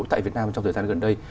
tại việt nam trong thời gian gần đây